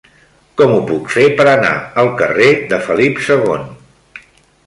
Com ho puc fer per anar al carrer de Felip II?